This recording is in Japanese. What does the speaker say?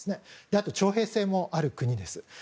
あとは徴兵制もある国です。